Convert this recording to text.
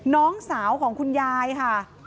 น้องสาวของคุณยายค่ะ